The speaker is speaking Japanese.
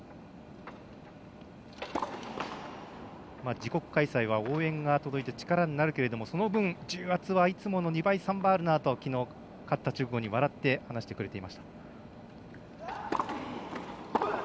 自国開催は応援が届いて力になるけれども、その分重圧はいつもの２倍、３倍あるなときのう、勝った直後に笑って話してくれていました。